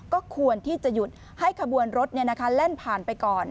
ก็ควรที่จะหยุดให้ขบวนรถแล่นผ่านไปก่อน